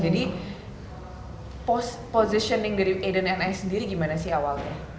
jadi positioning dari aiden and i sendiri gimana sih awalnya